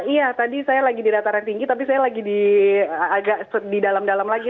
iya tadi saya lagi di dataran tinggi tapi saya lagi agak di dalam dalam lagi